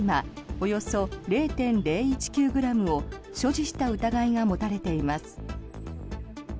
およそ０．０１９ｇを所持した疑いが持たれています。